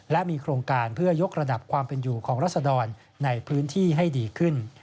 และมีโครงการเพื่อยกระดับความเป็นอยู่ของรัศดรในพื้นที่ให้ดีขึ้น